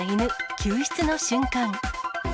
救出の瞬間。